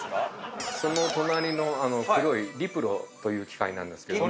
その隣の黒いＲｅｐｒｏという機械なんですけども。